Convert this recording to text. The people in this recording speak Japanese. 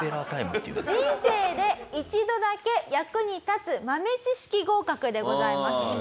人生で一度だけ役に立つ豆知識合格でございます。